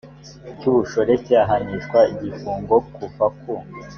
cy ubushoreke ahanishwa igifungo kuva ku